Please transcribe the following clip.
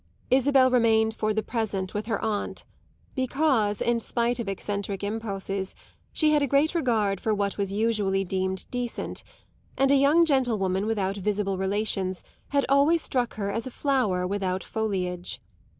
Isabel remained for the present with her aunt, because, in spite of eccentric impulses, she had a great regard for what was usually deemed decent, and a young gentlewoman without visible relations had always struck her as a flower without foliage.